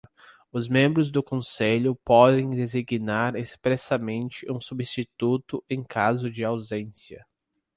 Os membros do Conselho podem designar expressamente um substituto em caso de ausência.